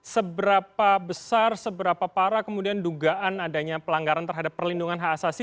seberapa besar seberapa parah kemudian dugaan adanya pelanggaran terhadap perlindungan hak asasi